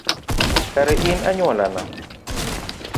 Kare in anyuolana?